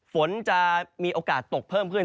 ฝนจะมีโอกาสตกเพิ่มขึ้น